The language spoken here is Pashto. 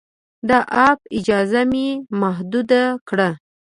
د اپ اجازه مې محدود کړه.